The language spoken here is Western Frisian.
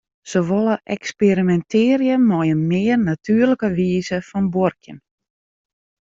Se wolle eksperimintearje mei in mear natuerlike wize fan buorkjen.